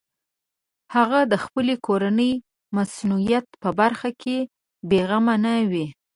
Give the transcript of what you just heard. هغه د خپلې کورنۍ مصونیت په برخه کې بېغمه نه وي.